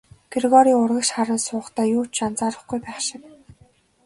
Грегори урагш харан суухдаа юу ч анзаарахгүй байх шиг.